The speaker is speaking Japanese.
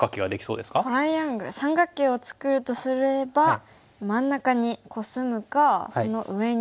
トライアングル三角形を作るとすれば真ん中にコスむかその上に。